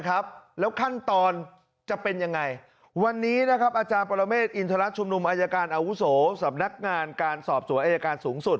แล้วขั้นตอนจะเป็นยังไงวันนี้นะครับอาจารย์ปรเมฆอินทรชุมนุมอายการอาวุโสสำนักงานการสอบสวนอายการสูงสุด